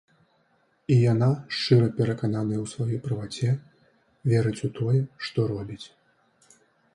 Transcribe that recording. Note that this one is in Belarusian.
І яна шчыра перакананая ў сваёй праваце, верыць у тое, што робіць.